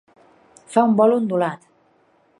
Fa un vol ondulat.